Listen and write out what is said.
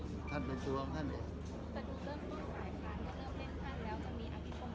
ท่านเป็นตัวของท่านเอง